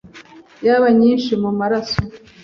yaba nyinshi mu maraso